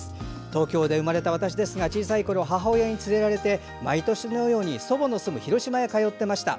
東京で生まれた私ですが小さいころ母親に連れられて毎年のように祖母の住む広島へ通っていました。